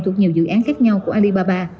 thuộc nhiều dự án khác nhau của alibaba